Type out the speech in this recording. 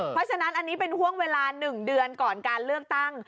เพราะฉะนั้นอันนี้เป็นห่วงเวลา๑เดือนก่อนการเลือกตั้ง